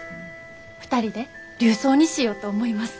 ２人で琉装にしようと思います。